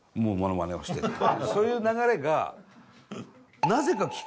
そういう流れが。